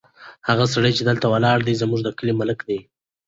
هغه سړی چې دلته ولاړ دی، زموږ د کلي ملک دی.